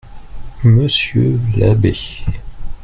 Monsieur l'abbé.